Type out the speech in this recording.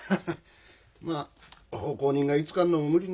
まあ奉公人が居つかんのも無理ないわ。